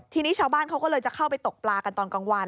ทีนี้ชาวบ้านเขาก็เลยจะเข้าไปตกปลากันตอนกลางวัน